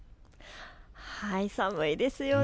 寒いですよね。